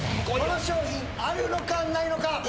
この商品あるのかないのか？